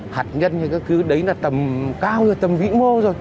hạt nhân như thế cứ đấy là tầm cao tầm vĩ mô rồi